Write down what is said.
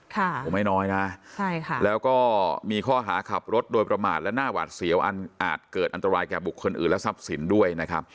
ไม่น้อยนะใช่ค่ะแล้วก็มีข้อหาขับรถโดยประมาทและหน้าหวาดเสียวอันอาจเกิดอันตรายแก่บุคคลอื่นและทรัพย์สินด้วยนะครับ